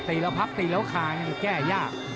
ตีแล้วพักตีแล้วคายายังแก้ยาก